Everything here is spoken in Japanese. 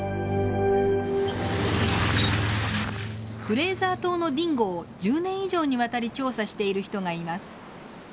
フレーザー島のディンゴを１０年以上にわたり調査している人がいます。